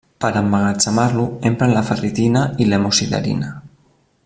Per a emmagatzemar-lo empren la ferritina i l'hemosiderina.